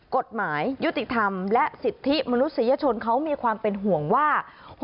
กฎหมายยุติธรรมและสิทธิมนุษยชนเขามีความเป็นห่วงว่า